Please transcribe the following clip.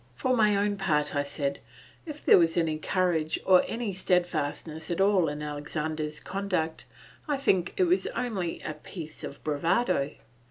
"For my own part," I said, "if there was any courage or any steadfastness at all in Alexander's conduct I think it was only a piece of bravado."